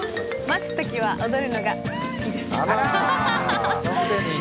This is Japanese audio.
待つ時は踊るのが好きです。